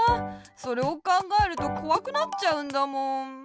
それをかんがえるとこわくなっちゃうんだもん。